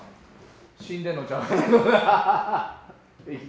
死んでんのちゃうかなと。